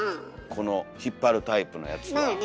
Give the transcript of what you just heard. この引っ張るタイプのやつは。